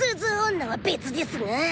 女は別ですが！